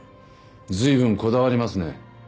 随分こだわりますね。